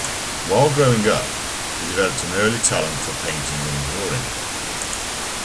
While growing up, he developed an early talent for painting and drawing.